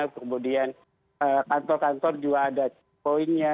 kemudian kantor kantor juga ada checkpointnya